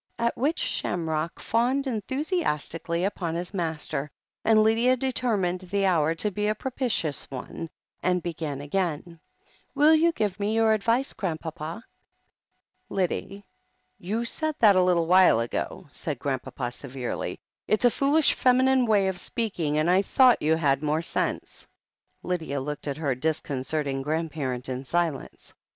At which Shamrock fawned enthusiastically upon his master, and Lydia determined the hour to be a propitious one, and began again : "Will you give me your advice, Grandpapa ?" "Lyddie, you said that a little while ago," said Grandpapa severely. "It's a foolish feminine way of speaking, and I thought you had more sense." Lydia looked at her disconcerting grandparent in silence.